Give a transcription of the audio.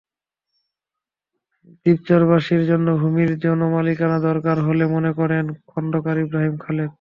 দ্বীপচরবাসীর জন্য ভূমির যৌথ মালিকানা দরকার বলে মনে করেন খোন্দকার ইব্রাহীম খালেদ।